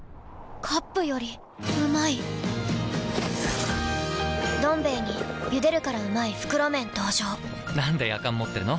カップよりうまい「どん兵衛」に「ゆでるからうまい！袋麺」登場なんでやかん持ってるの？